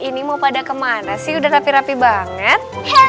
ini mau pada kemana sih udah rapi rapi banget